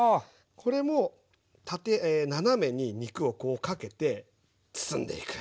これも斜めに肉をかけて包んでいく。